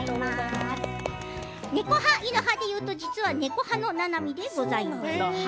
猫派、犬派でいうと実は、猫派のななみでございます。